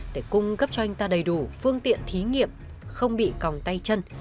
để cung cấp cho anh ta đầy đủ phương tiện thí nghiệm không bị còng tay chân